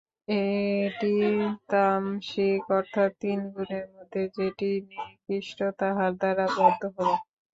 এটি তামসিক অর্থাৎ তিন গুণের মধ্যে যেটি নিকৃষ্ট, তাহার দ্বারা বদ্ধ হওয়া।